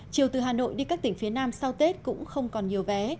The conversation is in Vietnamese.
chiều từ hà nội đi các tỉnh phía nam sau tết cũng không còn nhiều vé